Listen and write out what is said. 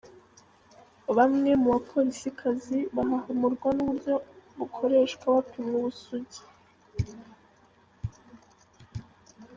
Bamwe mu bapolisikazi bahahamurwa n'uburyo bukoreshwa bapimwa ubusugi.